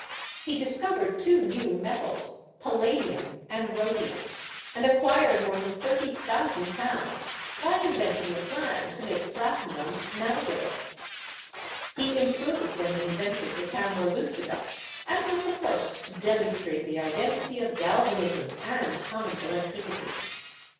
He discovered two new metals palladium and rhodium and acquired more than £30,000, by inventing a plan to make platinum malleable. He improved and invented the camera lucida, and was the first to demonstrate the identity of galvanism and common electricity.